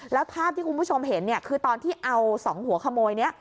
แล้วภาพที่คุณผู้ชมเห็นเนี่ยคือตอนที่เอา๒หัวขโมยนี้